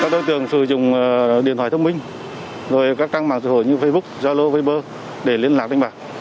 các đối tượng sử dụng điện thoại thông minh các trang mạng sử dụng như facebook zalo viber để liên lạc đánh bạc